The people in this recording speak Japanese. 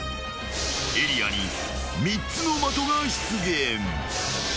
［エリアに３つの的が出現］